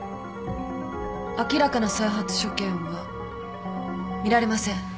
明らかな再発所見は見られません。